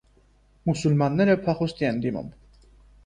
Մուսուլմանները փախուստի են դիմում։